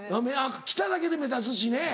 来ただけで目立つしね。